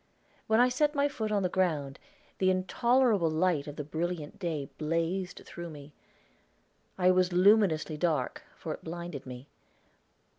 When I set my foot on the ground, the intolerable light of the brilliant day blazed through me; I was luminously dark, for it blinded me.